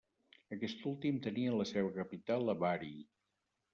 Aquest últim tenia la seva capital a Bari.